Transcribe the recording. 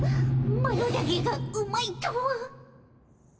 マロだけがうまいとは。